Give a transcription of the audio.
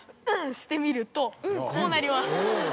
してみるとこうなります。